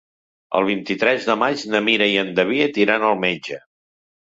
El vint-i-tres de maig na Mira i en David iran al metge.